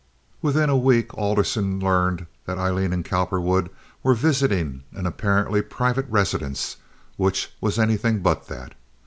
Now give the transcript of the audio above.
Within a week Alderson learned that Aileen and Cowperwood were visiting an apparently private residence, which was anything but that.